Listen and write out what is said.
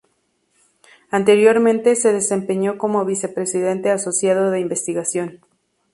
Anteriormente, se desempeñó como vicepresidente asociado de investigación.